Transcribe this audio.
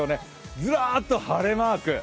ずらーっと晴れマーク。